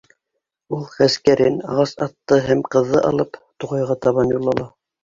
Ул, ғәскәрен, ағас атты һәм ҡыҙҙы алып, туғайға табан юл ала.